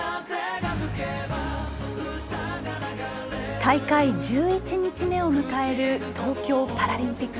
大会１１日目を迎える東京パラリンピック。